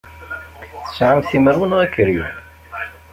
Tesɛamt imru neɣ akeryun?